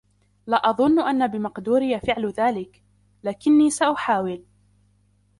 لا أظنّ أنّ بمقدوري فعل ذلك، لكنّي سأحاول.